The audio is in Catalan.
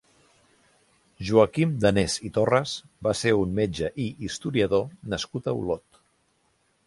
Joaquim Danés i Torras va ser un metge i historiador nascut a Olot.